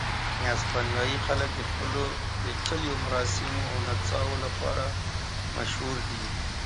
اسپانیایي خلک د خپلو پېچلیو مراسمو او نڅاو لپاره مشهور دي.